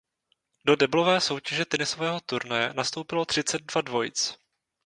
Do deblové soutěže tenisového turnaje nastoupilo třicet dva dvojic.